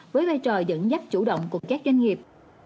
với vai trò dẫn dắt chủ động cùng các doanh nghiệp